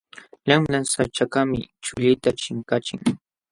Lamlaśh saćhakaqmi chullita chinkachin.